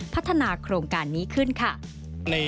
พัฒนาโครงการนี้ขึ้นค่ะ